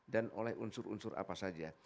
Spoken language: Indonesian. dan oleh unsur unsur apa saja